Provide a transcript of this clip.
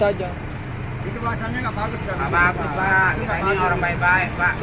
ini orang baik baik pak